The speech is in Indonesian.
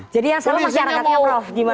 jadi yang salah masyarakatnya prof gimana